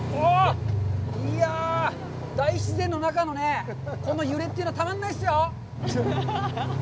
いやぁ、大自然の中のね、この揺れというのはたまんないっすよ！